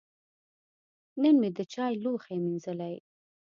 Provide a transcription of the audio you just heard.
نن مې د چای لوښی مینځلي.